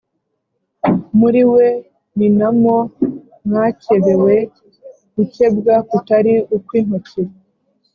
Muri we ni na mo mwakebewe gukebwa kutari ukw’intoki